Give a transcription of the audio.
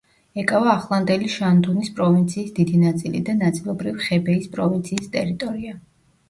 ეკავა ახლანდელი შანდუნის პროვინციის დიდი ნაწილი და ნაწილობრივ ხებეის პროვინციის ტერიტორია.